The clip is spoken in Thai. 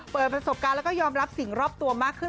เปิดประสบการณ์แล้วก็ยอมรับสิ่งรอบตัวมากขึ้น